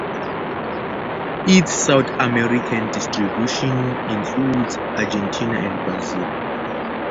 Its South American distribution includes Argentina and Brazil.